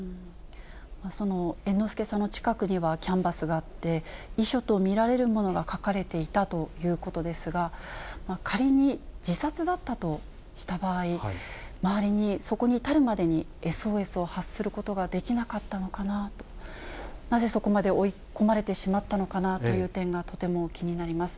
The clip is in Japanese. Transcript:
その猿之助さんの近くにはキャンバスがあって、遺書と見られるものが書かれていたということですが、仮に自殺だったとした場合、周りに、そこに至るまでにＳＯＳを発することができなかったのかなと、なぜそこまで追い込まれてしまったのかなという点がとても気になります。